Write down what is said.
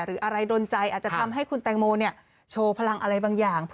หรืออะไรโดนใจอาจจะทำให้คุณแตงโมโชว์พลังอะไรบางอย่าง